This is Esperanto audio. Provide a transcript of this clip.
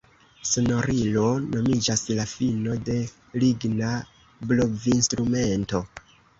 Sonorilo nomiĝas la fino de ligna blovinstrumento.